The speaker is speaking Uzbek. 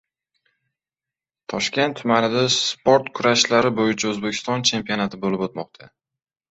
Toshkent tumanida sport kurashlari bo‘yicha O‘zbekiston chempionati bo‘lib o‘tmoqda